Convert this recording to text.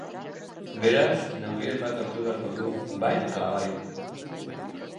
Beraz, neurriren bat hartu beharko du, bai ala bai.